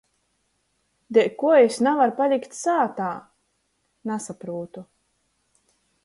"Deļkuo jis navar palikt sātā?" nasaprūtu.